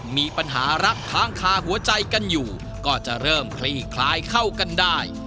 มีปัญหารักค้างคาหัวใจกันอยู่ก็จะเริ่มคลี่คลายเข้ากันได้